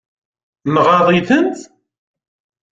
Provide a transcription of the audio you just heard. Nɣaḍ-itent?